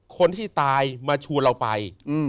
คนที่ตายมาชวนเราไป